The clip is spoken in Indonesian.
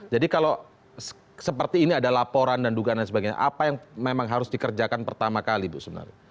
jadi kalau seperti ini ada laporan dan dugaan dan sebagainya apa yang memang harus dikerjakan pertama kali bu sebenarnya